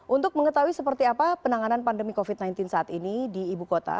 untuk mengetahui seperti apa penanganan pandemi covid sembilan belas saat ini di ibu kota